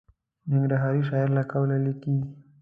د ننګرهاري شاعر له قوله لیکي.